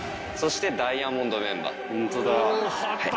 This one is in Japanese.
そしてダイヤモンドメンバー。